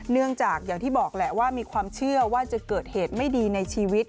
เนื่องจากอย่างที่บอกแหละว่ามีความเชื่อว่าจะเกิดเหตุไม่ดีในชีวิต